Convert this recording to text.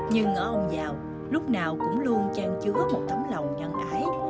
nhưng ở ông dào lúc nào cũng luôn trang trứa một tấm lòng nhận ái